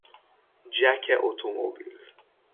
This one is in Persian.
جک اتومبیل